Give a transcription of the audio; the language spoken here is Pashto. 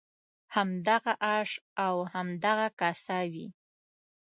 همدغه آش او همدغه کاسه وي.